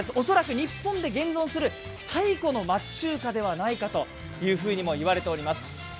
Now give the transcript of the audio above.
恐らく日本で現存する最古の街中華ではないかというふうにもいわれています。